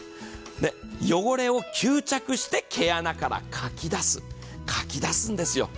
汚れを吸着して毛穴からかき出すんですよ。